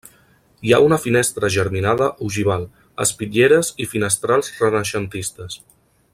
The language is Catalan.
Hi ha una finestra germinada ogival, espitlleres i finestrals renaixentistes.